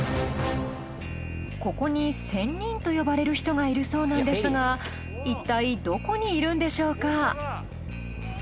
ここに仙人と呼ばれる人がいるそうなんですがいったいどこにいるんでしょうか？